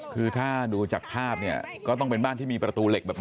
คือถ้าดูจากภาพเนี่ยก็ต้องเป็นบ้านที่มีประตูเหล็กแบบนี้